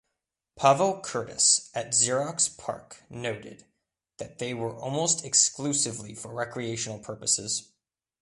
Pavel Curtis at Xerox Parc noted that they were almost exclusively for recreational purposes.